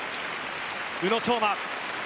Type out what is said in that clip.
宇野昌磨。